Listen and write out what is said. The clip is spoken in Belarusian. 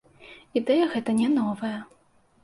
Ідэя гэта не новая.